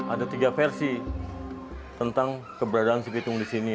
ada tiga versi tentang keberadaan si pitung di sini